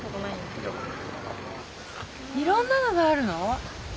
いろんなのがあるの？